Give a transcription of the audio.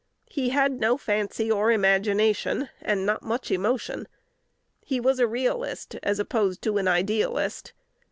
He had no fancy or imagination, and not much emotion. He was a realist as opposed to an idealist.